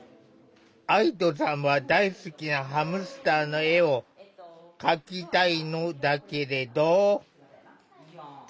愛土さんは大好きなハムスターの絵を描きたいのだけれど。